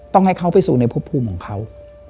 ต้องให้เขาไปสู่ในพบภูมิของเขา